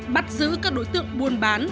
bắt giữ các đối tượng buôn bán